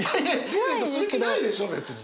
リーゼントする気ないでしょ別に。